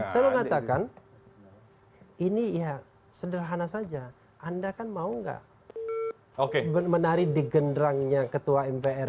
saya mau katakan ini ya sederhana saja anda kan mau nggak menari di genderangnya ketua mpr